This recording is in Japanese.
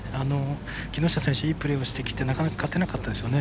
木下選手、いいプレーしてきてなかなか勝てなかったですね。